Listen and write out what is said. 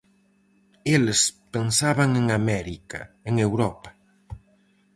Eles pensaban en América, en Europa...